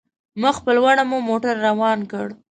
مخ په لوړه مو موټر روان کړ.